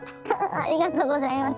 ありがとうございます。